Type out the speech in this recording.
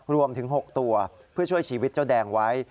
รวมถึง๖ตัวเพื่อช่วยชีวิตเจ้าแดงไว้